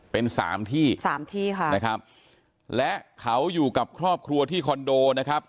เป็นสามที่สามที่ค่ะนะครับและเขาอยู่กับครอบครัวที่คอนโดนะครับ